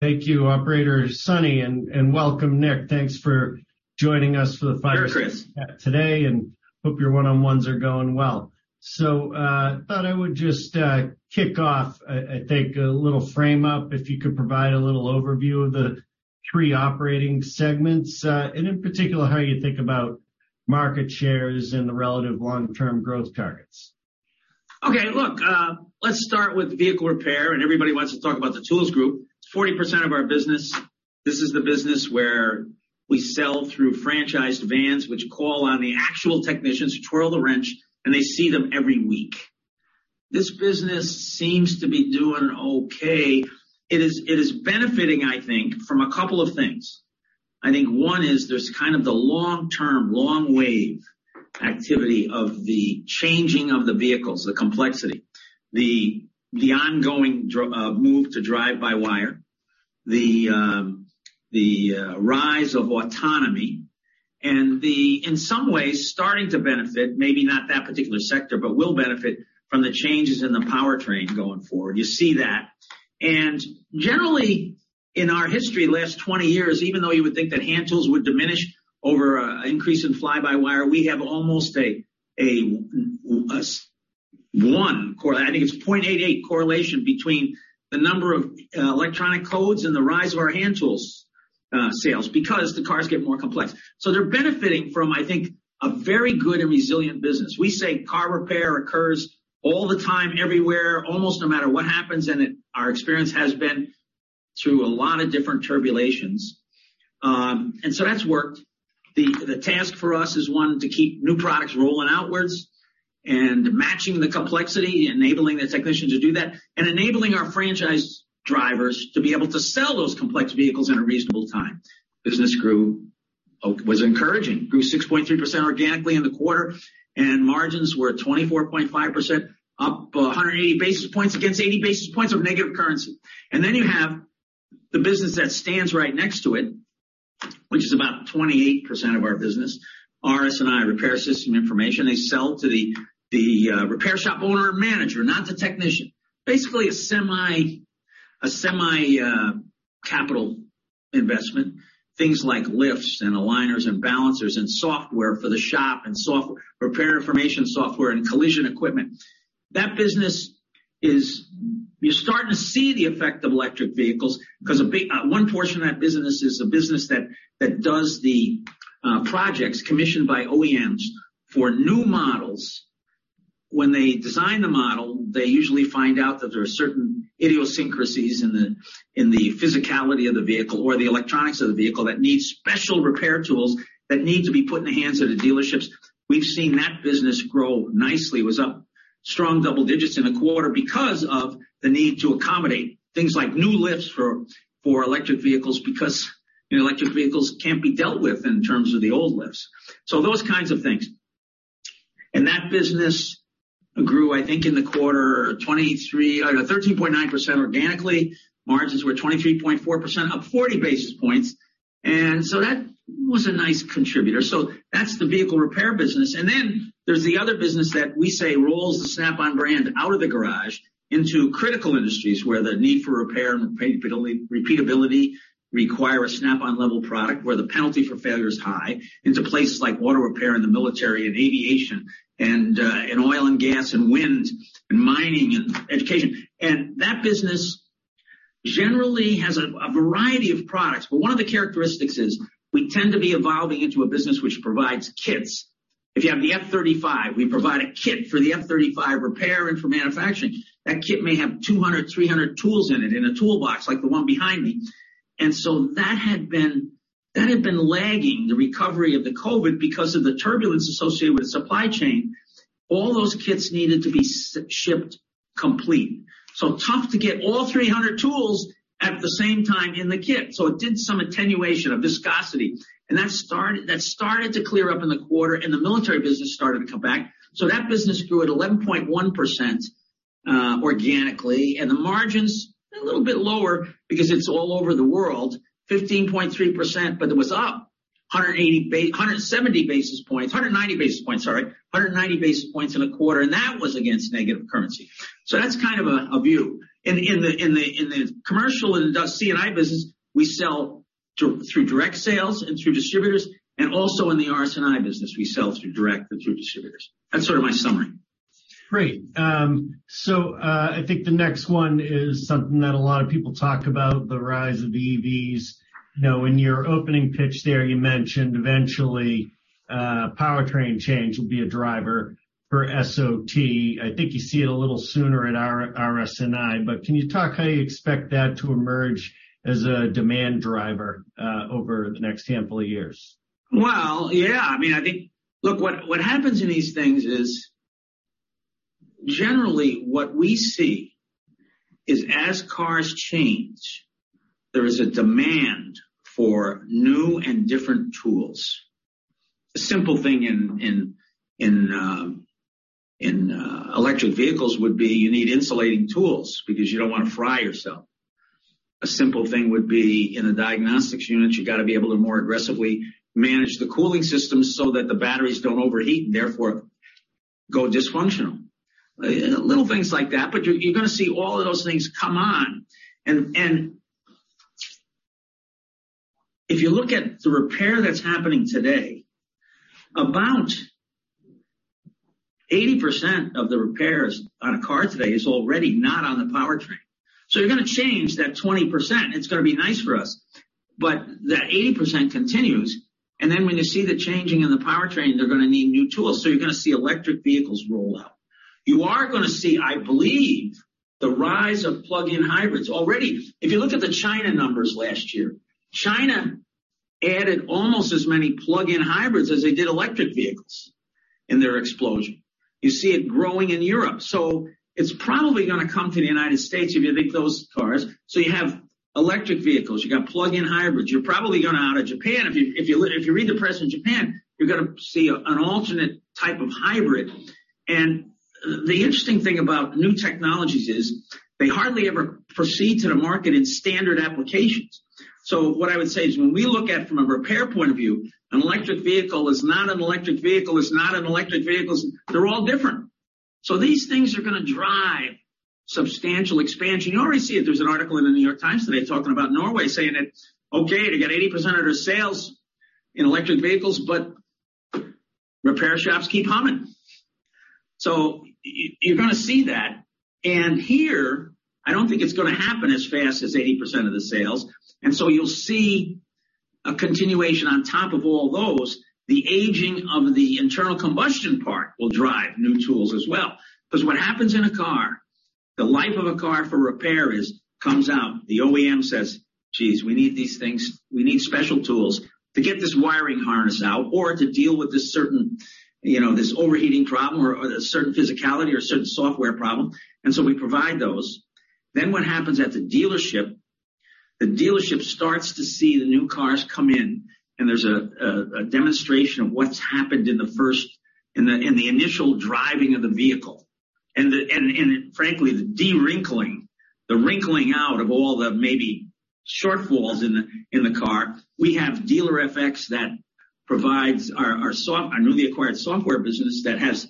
Thank you, Operator Sonny, and welcome, Nick. Thanks for joining us for the fire. Sure, Chris. Chat today, and hope your one-on-ones are going well. I thought I would just kick off, I think, a little frame up if you could provide a little overview of the three operating segments, and in particular, how you think about market shares and the relative long-term growth targets. Okay. Look, let's start with vehicle repair, and everybody wants to talk about the tools group. It's 40% of our business. This is the business where we sell through franchised vans, which call on the actual technicians to twirl the wrench, and they see them every week. This business seems to be doing okay. It is benefiting, I think, from a couple of things. I think one is there's kind of the long-term, long-wave activity of the changing of the vehicles, the complexity, the ongoing move to drive by wire, the rise of autonomy, and the, in some ways, starting to benefit, maybe not that particular sector, but will benefit from the changes in the powertrain going forward. You see that. Generally, in our history, the last 20 years, even though you would think that hand tools would diminish over an increase in fly-by-wire, we have almost a one, I think it's 0.88 correlation between the number of electronic codes and the rise of our hand tools sales because the cars get more complex. They are benefiting from, I think, a very good and resilient business. We say car repair occurs all the time, everywhere, almost no matter what happens, and our experience has been through a lot of different turbulitions. That has worked. The task for us is, one, to keep new products rolling outwards and matching the complexity, enabling the technician to do that, and enabling our franchised drivers to be able to sell those complex vehicles in a reasonable time. Business grew, was encouraging, grew 6.3% organically in the quarter, and margins were 24.5%, up 180 basis points against 80 basis points of negative currency. You have the business that stands right next to it, which is about 28% of our business, RSNI, Repair Systems & Information. They sell to the repair shop owner and manager, not the technician. Basically, a semi-capital investment, things like lifts and aligners and balancers and software for the shop and repair information software and collision equipment. That business is, you're starting to see the effect of electric vehicles because one portion of that business is a business that does the projects commissioned by OEMs for new models. When they design the model, they usually find out that there are certain idiosyncrasies in the physicality of the vehicle or the electronics of the vehicle that need special repair tools that need to be put in the hands of the dealerships. We've seen that business grow nicely. It was up strong double digits in a quarter because of the need to accommodate things like new lifts for electric vehicles because electric vehicles can't be dealt with in terms of the old lifts. Those kinds of things. That business grew, I think, in the quarter, 13.9% organically. Margins were 23.4%, up 40 basis points. That was a nice contributor. That is the vehicle repair business. There is the other business that we say rolls the Snap-on brand out of the garage into critical industries where the need for repair and repeatability require a Snap-on level product where the penalty for failure is high, into places like auto repair and the military and aviation and oil and gas and wind and mining and education. That business generally has a variety of products, but one of the characteristics is we tend to be evolving into a business which provides kits. If you have the F-35, we provide a kit for the F-35 repair and for manufacturing. That kit may have 200, 300 tools in it in a toolbox like the one behind me. That had been lagging the recovery of the COVID because of the turbulence associated with the supply chain. All those kits needed to be shipped complete. Tough to get all 300 tools at the same time in the kit. It did some attenuation of viscosity. That started to clear up in the quarter, and the military business started to come back. That business grew at 11.1% organically, and the margins a little bit lower because it is all over the world, 15.3%, but it was up 170 basis points, 190 basis points, sorry, 190 basis points in a quarter, and that was against negative currency. That is kind of a view. In the commercial and CNI business, we sell through direct sales and through distributors, and also in the RSNI business, we sell through direct and through distributors. That is sort of my summary. Great. I think the next one is something that a lot of people talk about, the rise of the EVs. In your opening pitch there, you mentioned eventually powertrain change will be a driver for SOT. I think you see it a little sooner at RSNI, but can you talk how you expect that to emerge as a demand driver over the next handful of years? Yeah. I mean, I think, look, what happens in these things is generally what we see is as cars change, there is a demand for new and different tools. A simple thing in electric vehicles would be you need insulating tools because you do not want to fry yourself. A simple thing would be in the diagnostic units, you have got to be able to more aggressively manage the cooling system so that the batteries do not overheat and therefore go dysfunctional. Little things like that, but you are going to see all of those things come on. If you look at the repair that is happening today, about 80% of the repairs on a car today is already not on the powertrain. You are going to change that 20%. It is going to be nice for us, but that 80% continues. When you see the changing in the powertrain, they're going to need new tools. You are going to see electric vehicles roll out. You are going to see, I believe, the rise of plug-in hybrids already. If you look at the China numbers last year, China added almost as many plug-in hybrids as they did electric vehicles in their explosion. You see it growing in Europe. It is probably going to come to the United States if you think those cars. You have electric vehicles. You have got plug-in hybrids. You are probably going to out of Japan. If you read the press in Japan, you are going to see an alternate type of hybrid. The interesting thing about new technologies is they hardly ever proceed to the market in standard applications. What I would say is when we look at from a repair point of view, an electric vehicle is not an electric vehicle; it's not an electric vehicle; they're all different. These things are going to drive substantial expansion. You already see it. There's an article in The New York Times today talking about Norway saying it's okay to get 80% of their sales in electric vehicles, but repair shops keep humming. You are going to see that. Here, I do not think it's going to happen as fast as 80% of the sales. You will see a continuation on top of all those. The aging of the internal combustion part will drive new tools as well. Because what happens in a car, the life of a car for repair comes out. The OEM says, "Geez, we need these things. We need special tools to get this wiring harness out or to deal with this certain overheating problem or a certain physicality or a certain software problem. We provide those. What happens at the dealership, the dealership starts to see the new cars come in, and there is a demonstration of what has happened in the initial driving of the vehicle. Frankly, the derinkling, the wrinkling out of all the maybe shortfalls in the car. We have Dealer-FX that provides our newly acquired software business that has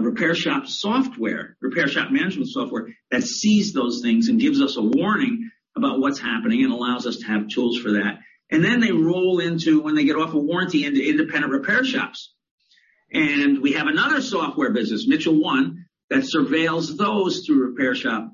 repair shop software, repair shop management software that sees those things and gives us a warning about what is happening and allows us to have tools for that. They roll into when they get off of warranty into independent repair shops. We have another software business, Mitchell 1, that surveils those through repair shop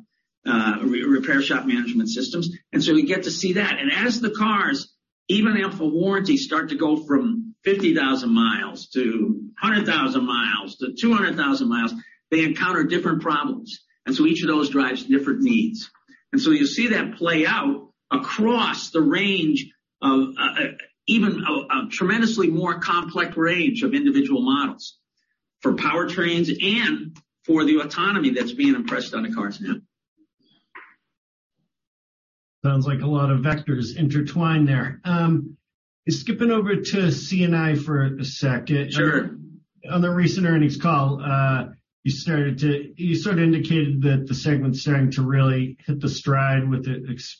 management systems. You get to see that. As the cars, even after warranty, start to go from 50,000 miles to 100,000 miles to 200,000 miles, they encounter different problems. Each of those drives different needs. You see that play out across the range of even a tremendously more complex range of individual models for powertrains and for the autonomy that is being impressed on the cars now. Sounds like a lot of vectors intertwine there. Skipping over to CNI for a second. Sure. On the recent earnings call, you sort of indicated that the segment's starting to really hit the stride with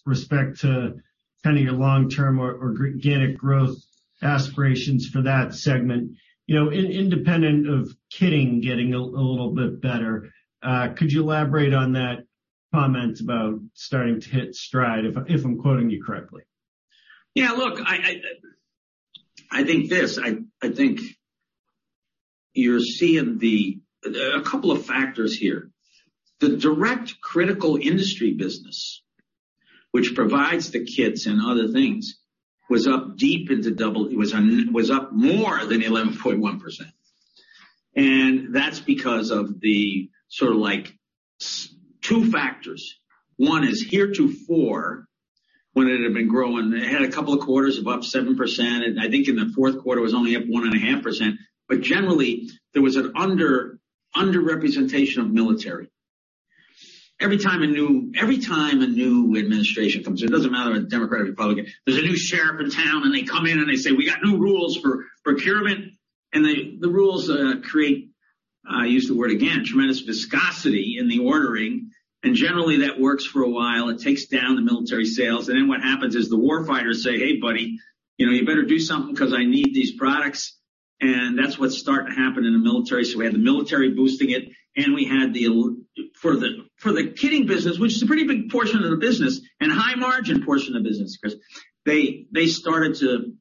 respect to kind of your long-term or organic growth aspirations for that segment. Independent of kitting getting a little bit better, could you elaborate on that comment about starting to hit stride, if I'm quoting you correctly? Yeah. Look, I think this. I think you're seeing a couple of factors here. The direct critical industry business, which provides the kits and other things, was up deep into double, it was up more than 11.1%. That is because of the sort of like two factors. One is heretofore, when it had been growing, it had a couple of quarters of up 7%, and I think in the fourth quarter, it was only up 1.5%. Generally, there was an underrepresentation of military. Every time a new administration comes in, it does not matter if it is Democrat or Republican, there is a new sheriff in town, and they come in and they say, "We got new rules for procurement." The rules create, I use the word again, tremendous viscosity in the ordering. Generally, that works for a while. It takes down the military sales. What happens is the war fighters say, "Hey, buddy, you better do something because I need these products." That is what is starting to happen in the military. We had the military boosting it, and we had the kitting business, which is a pretty big portion of the business and a high-margin portion of the business, because they started to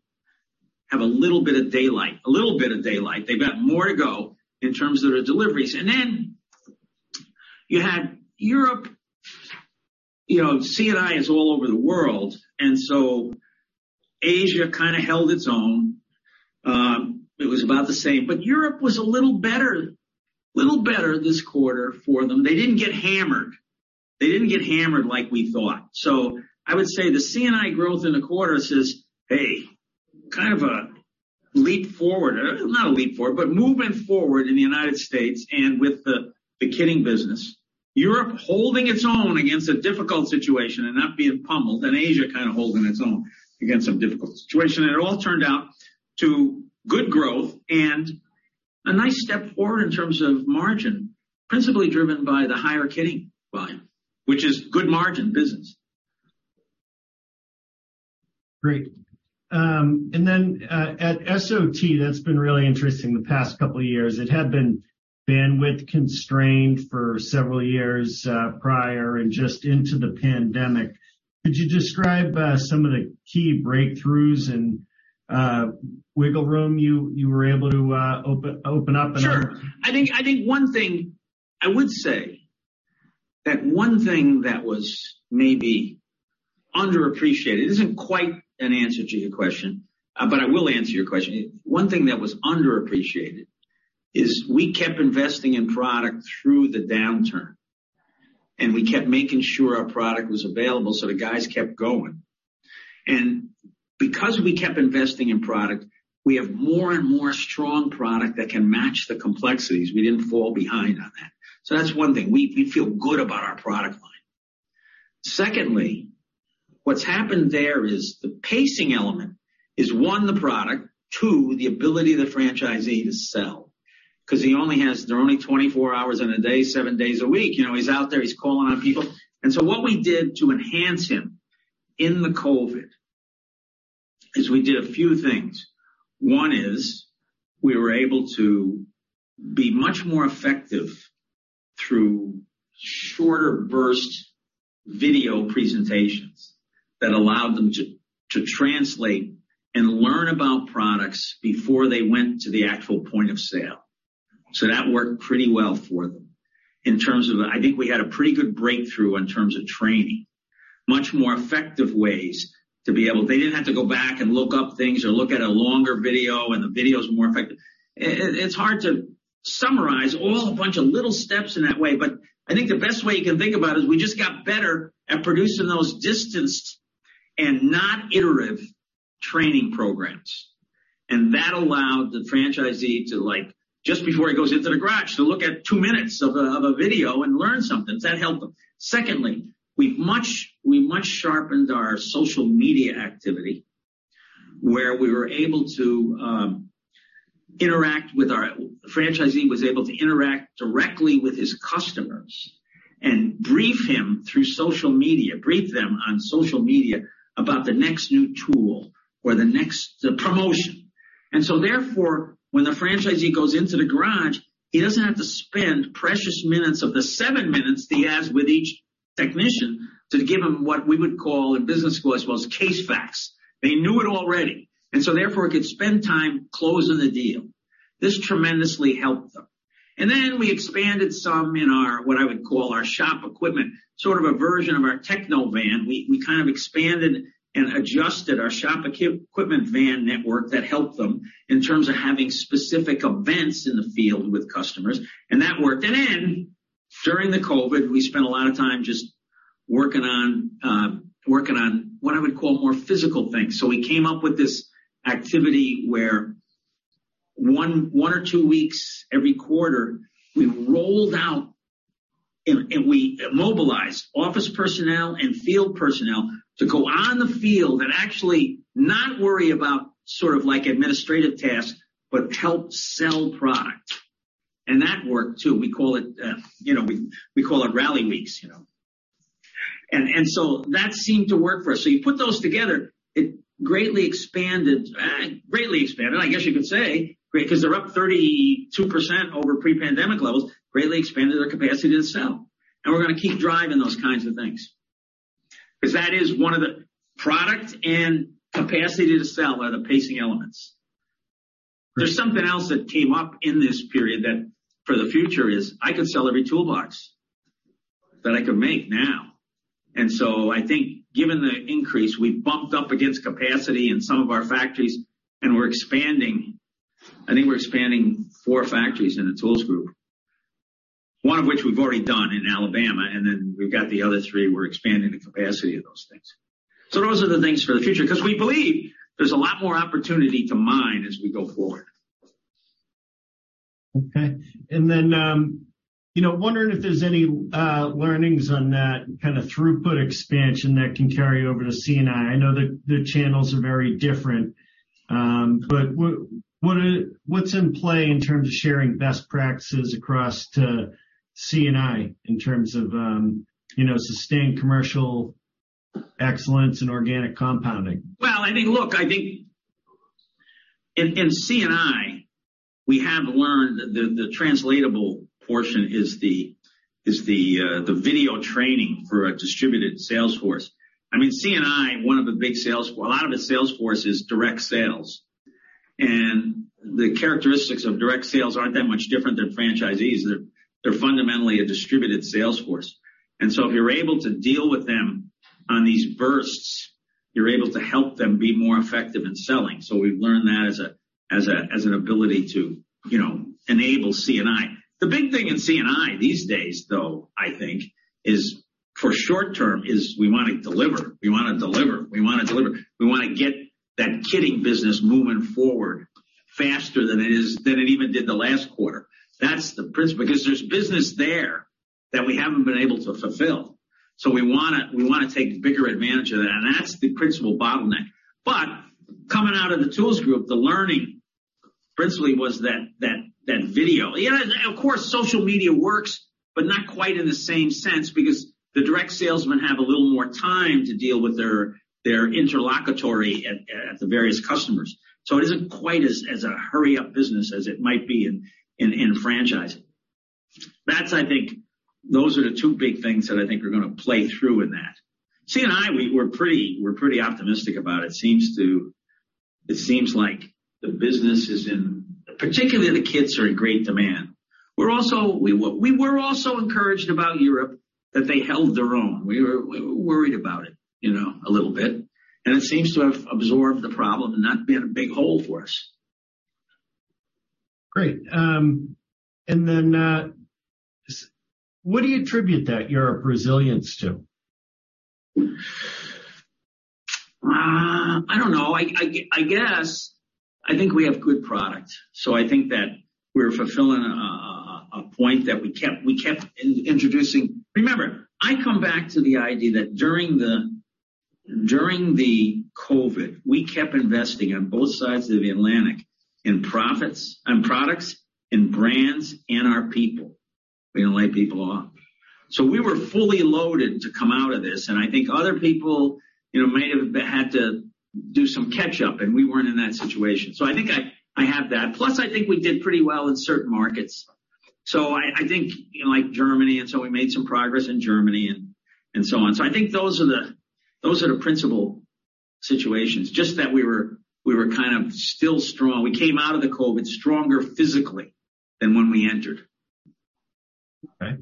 have a little bit of daylight, a little bit of daylight. They have more to go in terms of their deliveries. You had Europe. CNI is all over the world, and Asia kind of held its own. It was about the same. Europe was a little better, a little better this quarter for them. They did not get hammered. They did not get hammered like we thought. I would say the CNI growth in the quarter says, "Hey, kind of a leap forward," not a leap forward, but movement forward in the United States and with the kitting business. Europe holding its own against a difficult situation and not being pummeled, and Asia kind of holding its own against some difficult situation. It all turned out to good growth and a nice step forward in terms of margin, principally driven by the higher kitting volume, which is good margin business. Great. At SOT, that's been really interesting the past couple of years. It had been bandwidth constrained for several years prior and just into the pandemic. Could you describe some of the key breakthroughs and wiggle room you were able to open up? Sure. I think one thing I would say that one thing that was maybe underappreciated, it is not quite an answer to your question, but I will answer your question. One thing that was underappreciated is we kept investing in product through the downturn, and we kept making sure our product was available so the guys kept going. Because we kept investing in product, we have more and more strong product that can match the complexities. We did not fall behind on that. That is one thing. We feel good about our product line. Secondly, what has happened there is the pacing element is, one, the product, two, the ability of the franchisee to sell because he only has there are only 24 hours in a day, seven days a week. He is out there. He is calling on people. What we did to enhance him in the COVID is we did a few things. One is we were able to be much more effective through shorter burst video presentations that allowed them to translate and learn about products before they went to the actual point of sale. That worked pretty well for them in terms of I think we had a pretty good breakthrough in terms of training, much more effective ways to be able they did not have to go back and look up things or look at a longer video, and the video is more effective. It is hard to summarize all a bunch of little steps in that way, but I think the best way you can think about it is we just got better at producing those distanced and not iterative training programs. That allowed the franchisee to, just before he goes into the garage, look at two minutes of a video and learn something. That helped them. Secondly, we have much sharpened our social media activity where we were able to interact with our franchisee, who was able to interact directly with his customers and brief them on social media about the next new tool or the next promotion. Therefore, when the franchisee goes into the garage, he does not have to spend precious minutes of the seven minutes he has with each technician to give him what we would call in business school, I suppose, case facts. They knew it already. Therefore, he could spend time closing the deal. This tremendously helped them. We expanded some in our, what I would call, our shop equipment, sort of a version of our techno van. We kind of expanded and adjusted our shop equipment van network that helped them in terms of having specific events in the field with customers. That worked. During the COVID, we spent a lot of time just working on what I would call more physical things. We came up with this activity where one or two weeks every quarter, we rolled out and we mobilized office personnel and field personnel to go on the field and actually not worry about administrative tasks, but help sell product. That worked too. We call it rally weeks. That seemed to work for us. You put those together, it greatly expanded, greatly expanded, I guess you could say, because they're up 32% over pre-pandemic levels, greatly expanded their capacity to sell. We're going to keep driving those kinds of things because that is one of the product and capacity to sell are the pacing elements. There's something else that came up in this period that for the future is I could sell every toolbox that I could make now. I think given the increase, we've bumped up against capacity in some of our factories, and we're expanding. I think we're expanding four factories in the tools group, one of which we've already done in Alabama, and then we've got the other three, we're expanding the capacity of those things. Those are the things for the future because we believe there's a lot more opportunity to mine as we go forward. Okay. I am wondering if there are any learnings on that kind of throughput expansion that can carry over to CNI. I know the channels are very different, but what is in play in terms of sharing best practices across to CNI in terms of sustained commercial excellence and organic compounding? I think in CNI, we have learned the translatable portion is the video training for a distributed Salesforce. I mean, CNI, one of the big Salesforce, a lot of the Salesforce is direct sales. The characteristics of direct sales are not that much different than franchisees. They are fundamentally a distributed Salesforce. If you are able to deal with them on these bursts, you are able to help them be more effective in selling. We have learned that as an ability to enable CNI. The big thing in CNI these days, though, I think, for short-term is we want to deliver. We want to deliver. We want to deliver. We want to get that kitting business moving forward faster than it even did the last quarter. That is the principle because there is business there that we have not been able to fulfill. We want to take bigger advantage of that. That is the principal bottleneck. Coming out of the tools group, the learning principally was that video. Of course, social media works, but not quite in the same sense because the direct salesmen have a little more time to deal with their interlocutory at the various customers. It is not quite as a hurry-up business as it might be in franchising. I think those are the two big things that are going to play through in that. CNI, we are pretty optimistic about it. It seems like the business is in, particularly the kits, are in great demand. We were also encouraged about Europe that they held their own. We were worried about it a little bit. It seems to have absorbed the problem and not been a big hole for us. Great. What do you attribute that Europe resilience to? I don't know. I guess I think we have good product. I think that we're fulfilling a point that we kept introducing. Remember, I come back to the idea that during the COVID, we kept investing on both sides of the Atlantic in products, in brands, and our people. We didn't let people off. We were fully loaded to come out of this. I think other people might have had to do some catch-up, and we weren't in that situation. I think I have that. Plus, I think we did pretty well in certain markets. I think like Germany, and we made some progress in Germany and so on. I think those are the principal situations, just that we were kind of still strong. We came out of the COVID stronger physically than when we entered. Okay.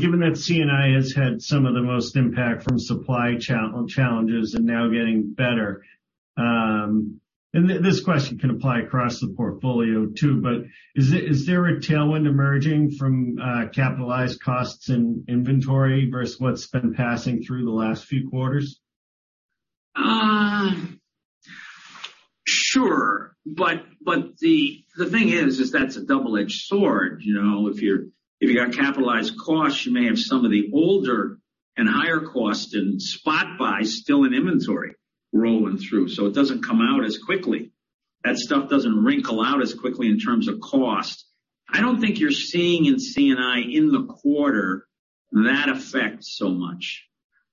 Given that CNI has had some of the most impact from supply challenges and now getting better, this question can apply across the portfolio too, but is there a tailwind emerging from capitalized costs and inventory versus what's been passing through the last few quarters? Sure. The thing is, is that's a double-edged sword. If you got capitalized costs, you may have some of the older and higher costs and spot buys still in inventory rolling through. It does not come out as quickly. That stuff does not wrinkle out as quickly in terms of cost. I do not think you are seeing in CNI in the quarter that effect so much.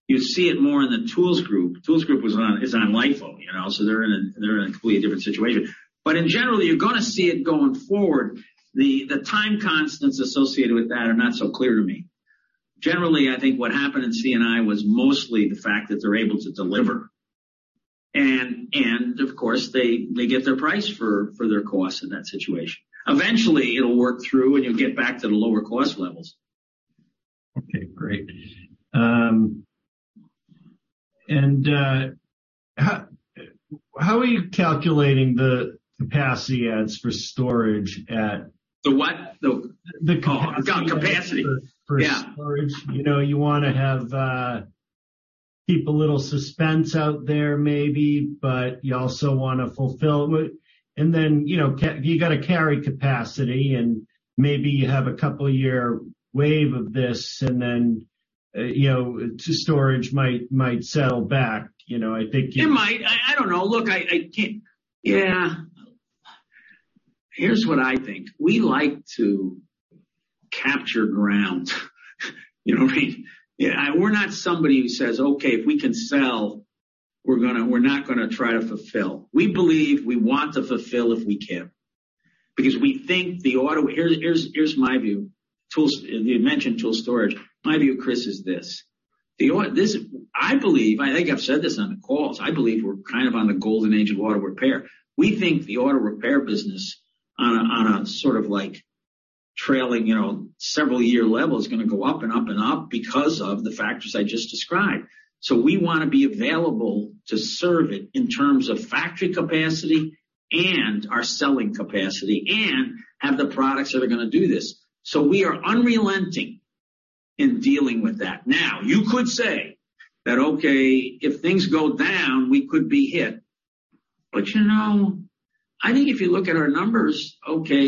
You see it more in the tools group. Tools group is on LIFO. They are in a completely different situation. In general, you are going to see it going forward. The time constants associated with that are not so clear to me. Generally, I think what happened in CNI was mostly the fact that they are able to deliver. Of course, they get their price for their costs in that situation. Eventually, it will work through, and you will get back to the lower cost levels. Okay. Great. How are you calculating the capacity ads for storage at? The what? The capacity for storage. You want to keep a little suspense out there maybe, but you also want to fulfill. And then you got to carry capacity, and maybe you have a couple-year wave of this, and then storage might settle back. I think you. It might. I do not know. Look, I cannot. Yeah. Here is what I think. We like to capture ground. You know what I mean? We are not somebody who says, "Okay, if we can sell, we are not going to try to fulfill." We believe we want to fulfill if we can because we think the auto—here is my view. You mentioned tool storage. My view, Chris, is this. I believe, I think I have said this on the calls, I believe we are kind of on the golden age of auto repair. We think the auto repair business on a sort of like trailing several-year level is going to go up and up and up because of the factors I just described. We want to be available to serve it in terms of factory capacity and our selling capacity and have the products that are going to do this. We are unrelenting in dealing with that. Now, you could say that, "Okay, if things go down, we could be hit." I think if you look at our numbers,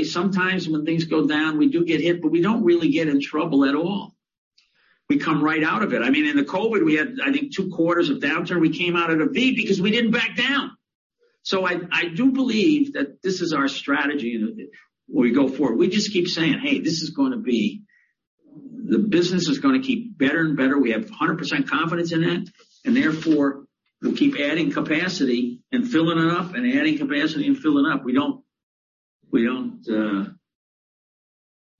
sometimes when things go down, we do get hit, but we do not really get in trouble at all. We come right out of it. I mean, in the COVID, we had, I think, two quarters of downturn. We came out of the V because we did not back down. I do believe that this is our strategy where we go forward. We just keep saying, "Hey, this is going to be the business is going to keep better and better. We have 100% confidence in that." Therefore, we will keep adding capacity and filling it up and adding capacity and filling it up. We do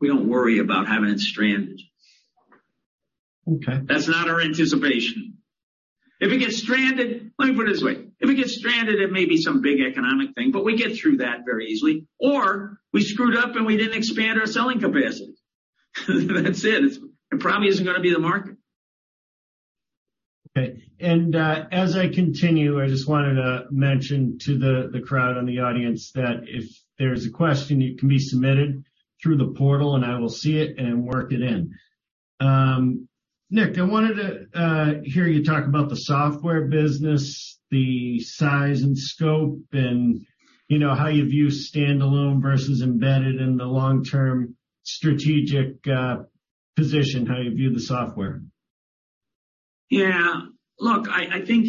not worry about having it stranded. That is not our anticipation. If it gets stranded, let me put it this way. If it gets stranded, it may be some big economic thing, but we get through that very easily. Or we screwed up and we did not expand our selling capacity. That is it. It probably is not going to be the market. Okay. As I continue, I just wanted to mention to the crowd and the audience that if there's a question, it can be submitted through the portal, and I will see it and work it in. Nick, I wanted to hear you talk about the software business, the size and scope, and how you view standalone versus embedded in the long-term strategic position, how you view the software. Yeah. Look, I think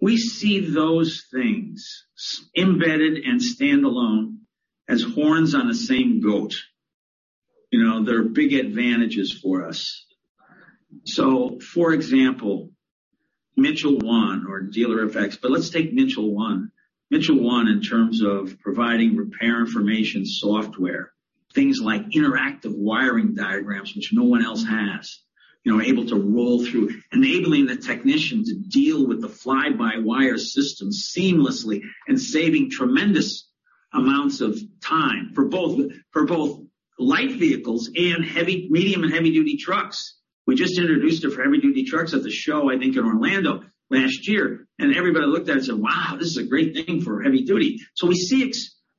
we see those things embedded and standalone as horns on the same goat. They're big advantages for us. For example, Mitchell 1 or Dealer-FX, but let's take Mitchell 1. Mitchell 1 in terms of providing repair information software, things like interactive wiring diagrams, which no one else has, able to roll through, enabling the technician to deal with the fly-by-wire system seamlessly and saving tremendous amounts of time for both light vehicles and medium and heavy-duty trucks. We just introduced it for heavy-duty trucks at the show, I think, in Orlando last year. Everybody looked at it and said, "Wow, this is a great thing for heavy-duty."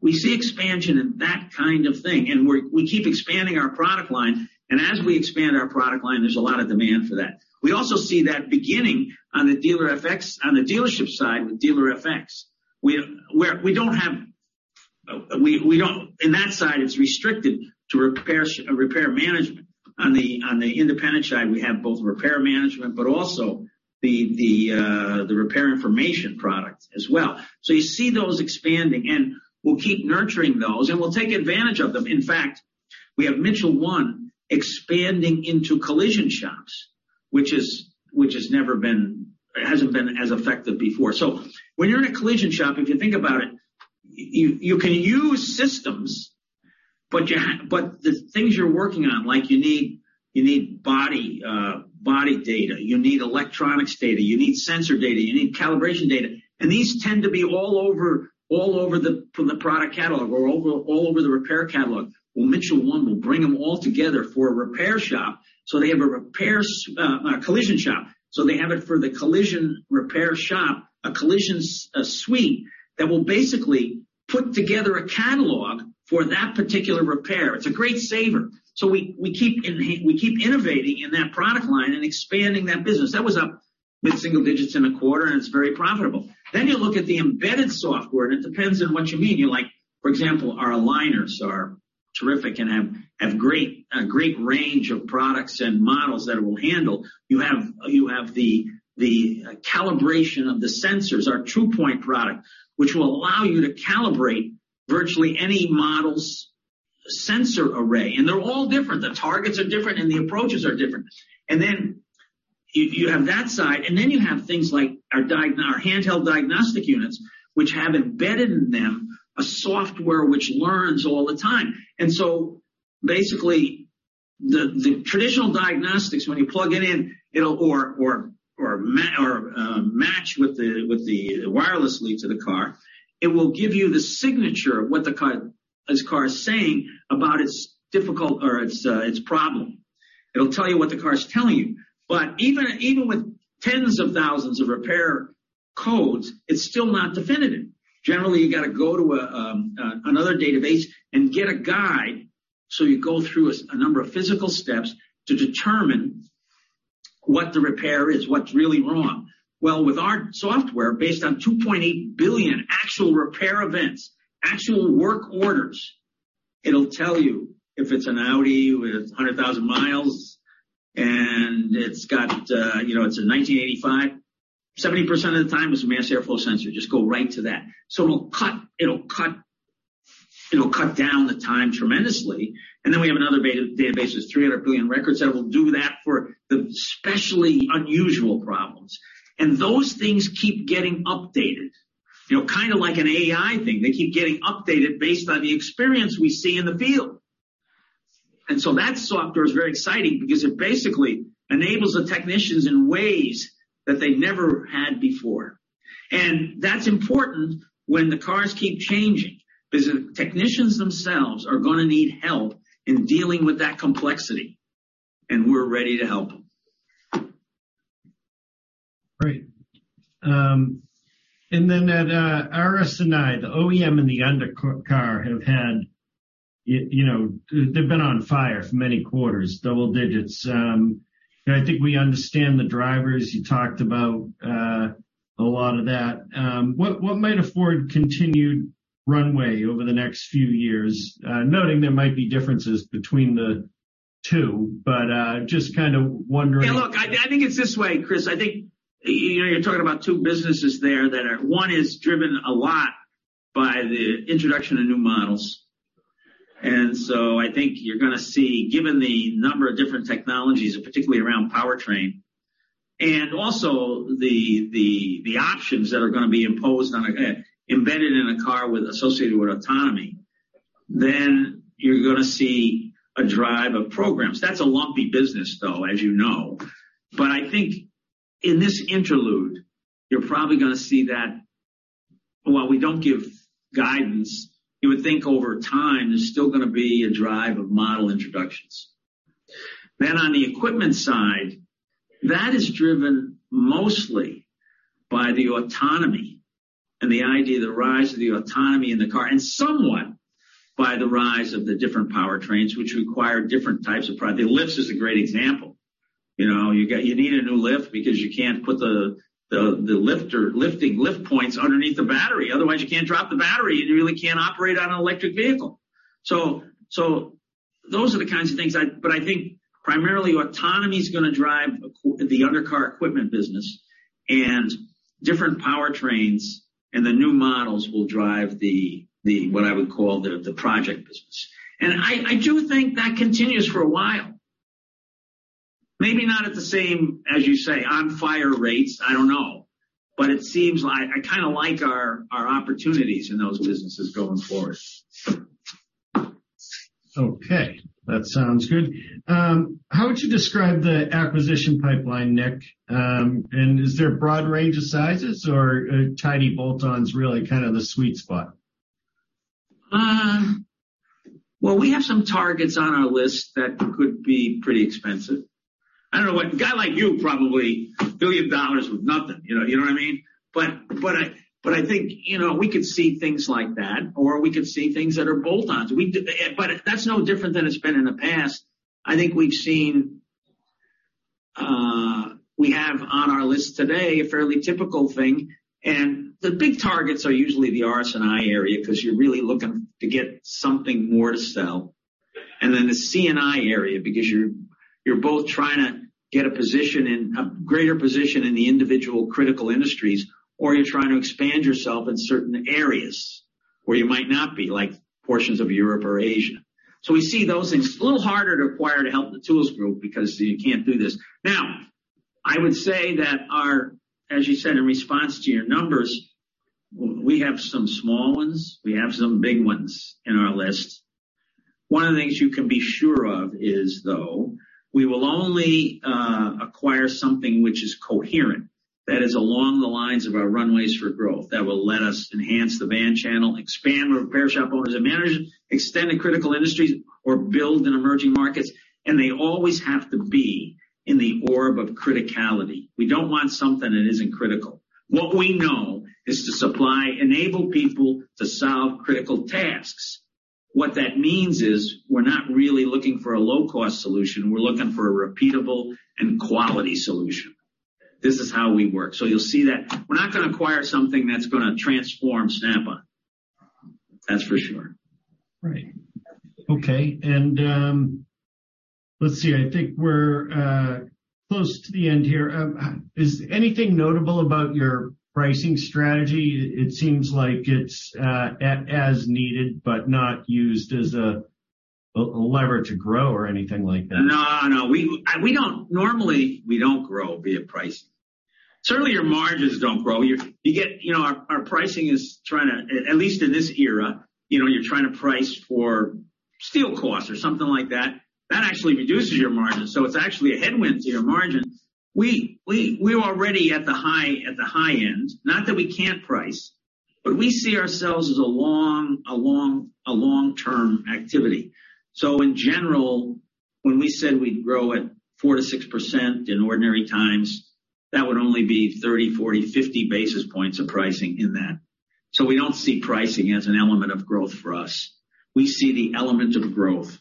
We see expansion in that kind of thing. We keep expanding our product line. As we expand our product line, there's a lot of demand for that. We also see that beginning on the Dealer-FX, on the dealership side with Dealer-FX. We do not have in that side, it is restricted to repair management. On the independent side, we have both repair management, but also the repair information product as well. You see those expanding, and we will keep nurturing those, and we will take advantage of them. In fact, we have Mitchell 1 expanding into collision shops, which has never been, has not been as effective before. When you are in a collision shop, if you think about it, you can use systems, but the things you are working on, like you need body data, you need electronics data, you need sensor data, you need calibration data. These tend to be all over the product catalog or all over the repair catalog. Mitchell 1 will bring them all together for a repair shop. They have a repair collision shop. They have it for the collision repair shop, a collision suite that will basically put together a catalog for that particular repair. It's a great saver. We keep innovating in that product line and expanding that business. That was up with single digits in a quarter, and it's very profitable. You look at the embedded software, and it depends on what you mean. For example, our aligners are terrific and have a great range of products and models that it will handle. You have the calibration of the sensors, our two-point product, which will allow you to calibrate virtually any model's sensor array. They're all different. The targets are different, and the approaches are different. You have that side. You have things like our handheld diagnostic units, which have embedded in them a software which learns all the time. Basically, the traditional diagnostics, when you plug it in or match with the wireless lead to the car, it will give you the signature of what the car is saying about its difficult or its problem. It will tell you what the car is telling you. Even with tens of thousands of repair codes, it is still not definitive. Generally, you have to go to another database and get a guide. You go through a number of physical steps to determine what the repair is, what is really wrong. With our software, based on 2.8 billion actual repair events, actual work orders, it will tell you if it is an Audi with 100,000 miles and it is a 1985. 70% of the time it's a mass airflow sensor. Just go right to that. It will cut down the time tremendously. We have another database with 300 billion records that will do that for the especially unusual problems. Those things keep getting updated, kind of like an AI thing. They keep getting updated based on the experience we see in the field. That software is very exciting because it basically enables the technicians in ways that they never had before. That is important when the cars keep changing because the technicians themselves are going to need help in dealing with that complexity. We are ready to help. Great. At RS&I, the OEM and the undercar have had, they've been on fire for many quarters, double digits. I think we understand the drivers. You talked about a lot of that. What might afford continued runway over the next few years? Noting there might be differences between the two, but just kind of wondering. Yeah. Look, I think it's this way, Chris. I think you're talking about two businesses there that are, one is driven a lot by the introduction of new models. I think you're going to see, given the number of different technologies, particularly around powertrain, and also the options that are going to be imposed on embedded in a car associated with autonomy, then you're going to see a drive of programs. That's a lumpy business though, as you know. I think in this interlude, you're probably going to see that while we don't give guidance, you would think over time there's still going to be a drive of model introductions. On the equipment side, that is driven mostly by the autonomy and the idea, the rise of the autonomy in the car, and somewhat by the rise of the different powertrains, which require different types of products. The lift is a great example. You need a new lift because you can't put the lifting lift points underneath the battery. Otherwise, you can't drop the battery, and you really can't operate on an electric vehicle. Those are the kinds of things. I think primarily autonomy is going to drive the undercar equipment business, and different powertrains and the new models will drive what I would call the project business. I do think that continues for a while. Maybe not at the same, as you say, on-fire rates. I don't know. It seems like I kind of like our opportunities in those businesses going forward. Okay. That sounds good. How would you describe the acquisition pipeline, Nick? And is there a broad range of sizes or tiny bolt-ons really kind of the sweet spot? We have some targets on our list that could be pretty expensive. I do not know what a guy like you, probably a billion dollars is nothing. You know what I mean? I think we could see things like that, or we could see things that are bolt-ons. That is no different than it has been in the past. I think we have on our list today a fairly typical thing. The big targets are usually the RS&I area because you are really looking to get something more to sell. The CNI area is because you are both trying to get a position, a greater position in the individual critical industries, or you are trying to expand yourself in certain areas where you might not be, like portions of Europe or Asia. We see those things. It's a little harder to acquire to help the tools group because you can't do this. Now, I would say that our, as you said, in response to your numbers, we have some small ones. We have some big ones in our list. One of the things you can be sure of is, though, we will only acquire something which is coherent, that is along the lines of our runways for growth, that will let us enhance the band channel, expand repair shop owners and managers, extend the critical industries, or build in emerging markets. They always have to be in the orb of criticality. We don't want something that isn't critical. What we know is to supply enabled people to solve critical tasks. What that means is we're not really looking for a low-cost solution. We're looking for a repeatable and quality solution. This is how we work. You'll see that we're not going to acquire something that's going to transform Snap-on. That's for sure. Right. Okay. Let's see. I think we're close to the end here. Is anything notable about your pricing strategy? It seems like it's as needed, but not used as a lever to grow or anything like that. No, no. Normally, we do not grow via pricing. Certainly, your margins do not grow. Our pricing is trying to, at least in this era, you are trying to price for steel costs or something like that. That actually reduces your margin. So it is actually a headwind to your margin. We are already at the high end, not that we cannot price, but we see ourselves as a long-term activity. In general, when we said we would grow at 4% to 6% in ordinary times, that would only be 30, 40, 50 basis points of pricing in that. We do not see pricing as an element of growth for us. We see the element of growth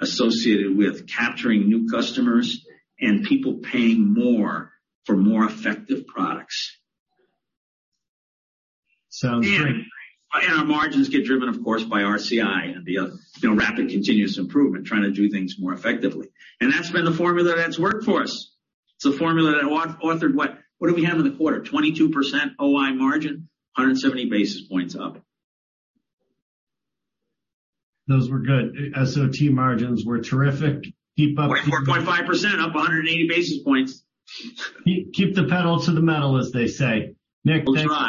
associated with capturing new customers and people paying more for more effective products. Sounds great. Our margins get driven, of course, by RCI and the rapid continuous improvement, trying to do things more effectively. That has been the formula that has worked for us. It is a formula that authored what? What do we have in the quarter? 22% OI margin, 170 basis points up. Those were good. SOT margins were terrific. Keep up. 4.5%, up 180 basis points. Keep the pedal to the metal, as they say. Nick, thanks for.